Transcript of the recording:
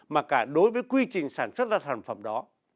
mà cả đối với quy trình sản xuất ra sản phẩm đó